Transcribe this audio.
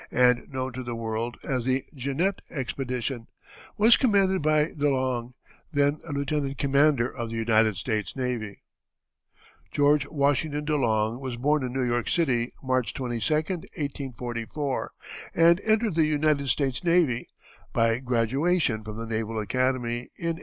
and known to the world as the Jeannette Expedition, was commanded by De Long, then a lieutenant commander of the United States Navy. George Washington De Long was born in New York City, March 22, 1844, and entered the United States Navy, by graduation from the Naval Academy, in 1865.